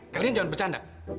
kalian jangan bercanda